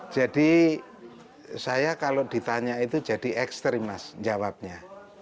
jadi saya kalau ditanya itu jadi ekstrim mas jawabnya